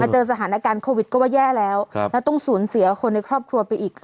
เจอสถานการณ์โควิดก็ว่าแย่แล้วแล้วต้องสูญเสียคนในครอบครัวไปอีก